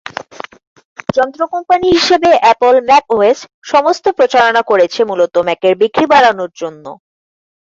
যন্ত্র কোম্পানি হিশেবে Apple macOS সমস্ত প্রচারণা করেছে মূলত ম্যাকের বিক্রি বাড়ানোর জন্য।